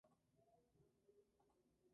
Se encuentra entre el km.